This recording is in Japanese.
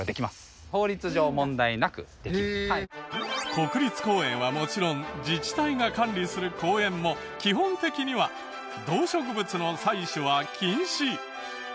国立公園はもちろん自治体が管理する公園も基本的には動植物の採取は禁止！